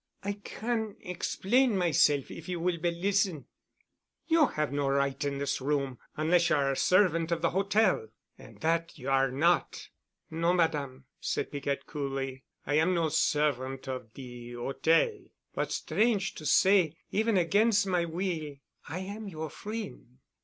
"I can explain myself if you will but listen." "You have no right in this room—unless you are a servant of the hotel. And that you are not——" "No, Madame," said Piquette coolly, "I am no servant of de hotel. But strange to say, even agains' my will, I am your frien'."